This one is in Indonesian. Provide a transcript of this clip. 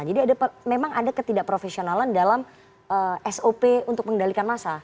jadi memang ada ketidakprofesionalan dalam sop untuk mengendalikan massa